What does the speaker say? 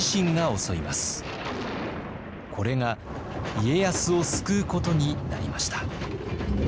これが家康を救うことになりました。